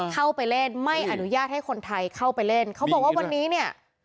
เข้าไปเล่นไม่อนุญาตให้คนไทยเข้าไปเล่นเขาบอกว่าวันนี้เนี่ย